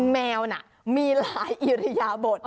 แมวน่ะมีหลายอิริยบท